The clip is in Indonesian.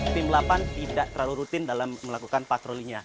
tim delapan tidak terlalu rutin dalam melakukan patrolinya